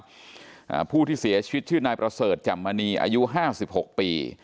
อ่าผู้ที่เสียชีวิตชื่อนายประเสริฐแจ่มมณีอายุห้าสิบหกปี